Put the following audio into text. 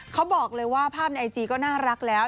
เขาบอกเลยว่าภาพในไอจีก็น่ารักแล้ว